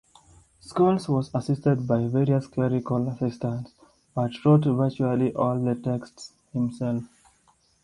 Scholes was assisted by various clerical assistants, but wrote virtually all the text himself.